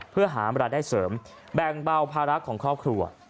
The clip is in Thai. เพื่อหาเวลาได้เสริมแบ่งเบาภาระของครอบครัว